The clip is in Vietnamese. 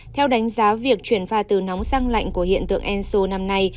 theo đánh giá việc chuyển phà từ nóng sang lạnh của hiện tượng enso năm nay